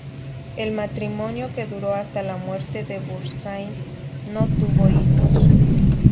El matrimonio, que duró hasta la muerte de Burnside, no tuvo hijos.